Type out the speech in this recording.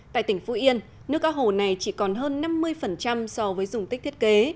tại tỉnh phú yên nước cao hồ này chỉ còn hơn năm mươi so với dùng tích thiết kế